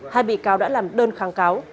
hai bị cáo đã làm đơn kháng cáo